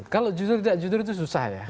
kalau jujur tidak jujur itu susah ya